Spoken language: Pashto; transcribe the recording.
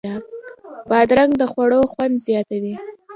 بادرنګ د خوړو خوند زیاتوي.